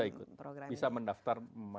bisa ikut bisa mendaftar